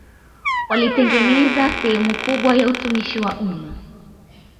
Walitengeneza sehemu kubwa ya utumishi wa umma